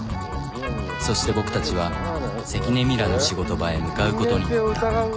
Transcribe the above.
そして僕たちは関根ミラの仕事場へ向かうことになった。